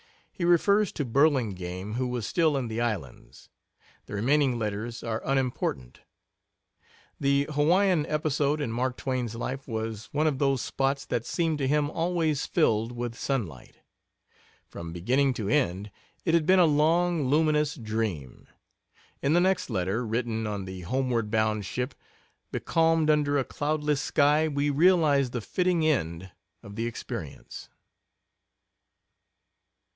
He refers to Burlingame, who was still in the islands. The remaining letters are unimportant. The Hawaiian episode in Mark Twain's life was one of those spots that seemed to him always filled with sunlight. From beginning to end it had been a long luminous dream; in the next letter, written on the homeward bound ship, becalmed under a cloudless sky, we realize the fitting end of the experience.